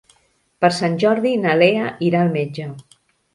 Per Sant Jordi na Lea irà al metge.